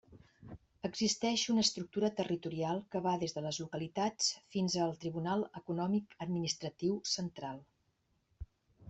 Existeix una estructura territorial que va des de les localitats fins al Tribunal Econòmic-Administratiu Central.